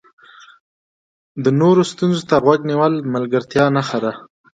د نورو ستونزو ته غوږ نیول د ملګرتیا نښه ده.